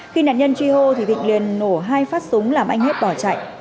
khi nạn nhân truy hô thì thịnh liền nổ hai phát súng làm anh hết bỏ chạy